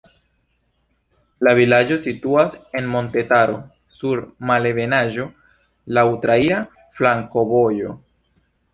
La vilaĝo situas en montetaro sur malebenaĵo, laŭ traira flankovojo.